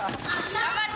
頑張って！